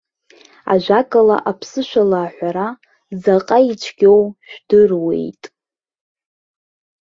Ажәакала аԥсышәала аҳәара заҟа ицәгьоу жәдыруееит.